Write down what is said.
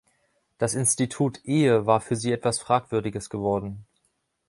Das Institut Ehe war für sie etwas Fragwürdiges geworden.